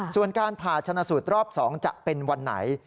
ส่วนการผ่าชนะสูตรรอบ๒จะเป็นวันไหน